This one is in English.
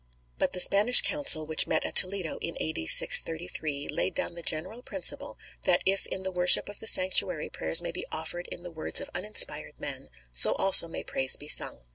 But the Spanish Council which met at Toledo in A.D. 633, laid down the general principle, that if in the worship of the sanctuary prayers may be offered in the words of uninspired men, so also may praise be sung.